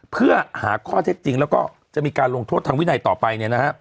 เพื่อหาข้อเท็จจริงแล้วก็จะมีการลงโทษทางวินัยต่อไป